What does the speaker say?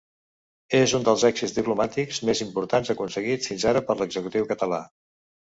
És un dels èxits diplomàtics més importants aconseguits fins ara per l’executiu català.